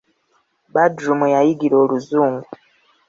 Badru mwe yayigira oluzungu.